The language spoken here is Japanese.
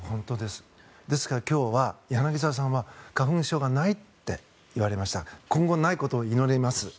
ですから今日は柳澤さんは花粉症がないと言われましたが今後ないことを祈ります。